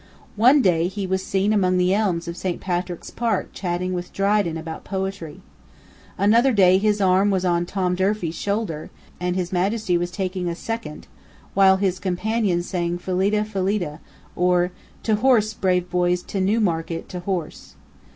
One day he was seen among the elms of Saint James's Park chatting with Dryden about poetry. Another day his arm was on Tom Durfey's shoulder; and his Majesty was taking a second, while his companion sang "Phillida, Phillida," or "To horse, brave boys, to Newmarket, to horse."